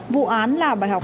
vụ án là bài học